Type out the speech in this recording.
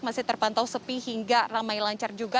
masih terpantau sepi hingga ramai lancar juga